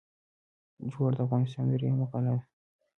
جوار د افغانستان درېیمه غله ده.